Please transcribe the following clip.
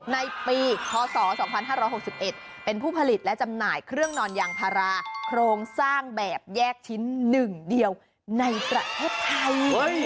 ในปีพศ๒๕๖๑เป็นผู้ผลิตและจำหน่ายเครื่องนอนยางพาราโครงสร้างแบบแยกชิ้น๑เดียวในประเทศไทย